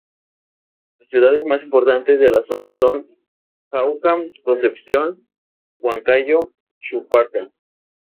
Las ciudades más importantes de la zona son Jauja, Concepción, Huancayo, Chupaca.